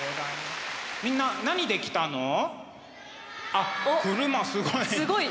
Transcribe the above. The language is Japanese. あっ車すごい。